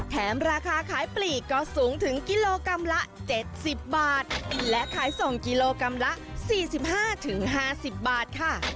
ราคาขายปลีกก็สูงถึงกิโลกรัมละ๗๐บาทและขายส่งกิโลกรัมละ๔๕๕๐บาทค่ะ